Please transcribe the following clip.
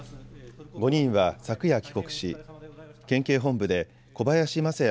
５人は昨夜帰国し県警本部で小林雅哉